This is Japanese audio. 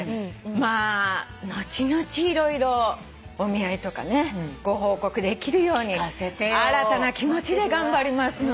まあ後々色々お見合いとかねご報告できるように新たな気持ちで頑張りますので。